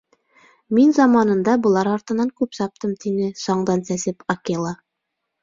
— Мин... заманында былар артынан күп саптым, — тине, саңдан сәсәп, Акела.